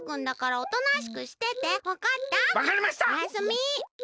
おやすみ。